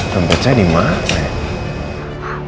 dompet saya dimalai